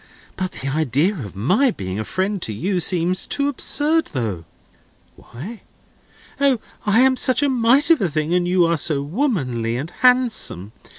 But the idea of my being a friend to you seems too absurd, though." "Why?" "O, I am such a mite of a thing, and you are so womanly and handsome.